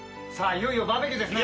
いよいよバーベキューですね。